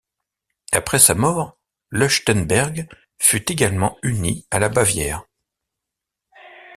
Après sa mort, Leuchtenberg fut également uni à la Bavière.